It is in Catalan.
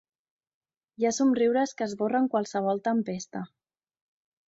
Hi ha somriures que esborren qualsevol tempesta.